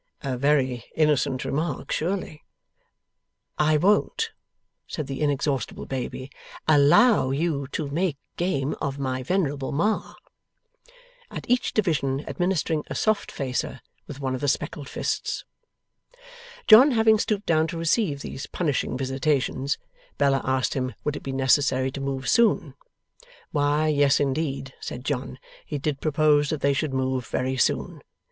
A very innocent remark, surely.' 'I won't,' said the inexhaustible baby, ' allow you to make game of my venerable Ma.' At each division administering a soft facer with one of the speckled fists. John having stooped down to receive these punishing visitations, Bella asked him, would it be necessary to move soon? Why yes, indeed (said John), he did propose that they should move very soon.